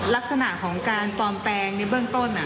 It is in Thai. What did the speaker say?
ลักษณะของการปลอมแปลงในเบื้องต้น